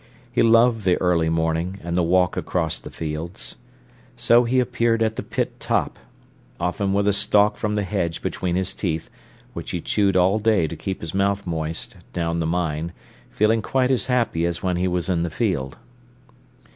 He loved the early morning, and the walk across the fields. So he appeared at the pit top, often with a stalk from the hedge between his teeth, which he chewed all day to keep his mouth moist, down the mine, feeling quite as happy as when he was in the field.